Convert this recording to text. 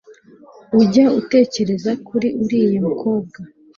Ujya utekereza kuri uriya mukobwa